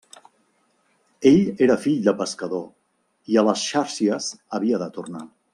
Ell era fill de pescador, i a les xàrcies havia de tornar.